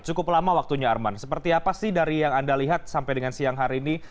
cukup lama waktunya arman seperti apa sih dari yang anda lihat sampai dengan siang hari ini